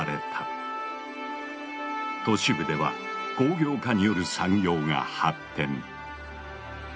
都市部では工業化による産業が発展。